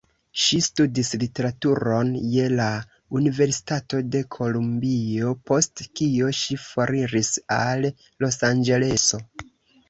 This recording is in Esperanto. Ŝi studis literaturon je la Universitato de Kolumbio, post kio ŝi foriris al Losanĝeleso.